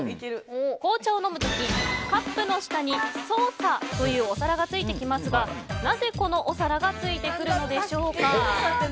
紅茶を飲む時、カップの下にソーサーというお皿がついてきますがなぜ、このお皿がついてくるのでしょうか。